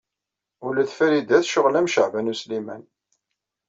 Ula d Farida tecɣel am Caɛban U Sliman.